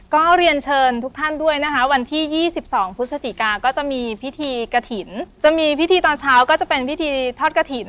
ก็เรียนเชิญทุกท่านด้วยนะคะวันที่๒๒พฤศจิกาก็จะมีพิธีกระถิ่นจะมีพิธีตอนเช้าก็จะเป็นพิธีทอดกระถิ่น